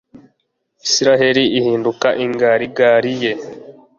israheli ihinduka ingarigari ye